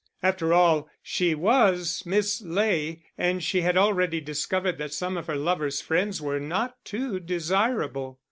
After all she was Miss Ley; and she had already discovered that some of her lover's friends were not too desirable.